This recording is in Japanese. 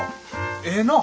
ええなぁ。